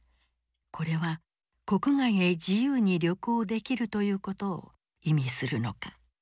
これは国外へ自由に旅行できるということを意味するのか。